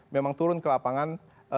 memang turun ke lapangan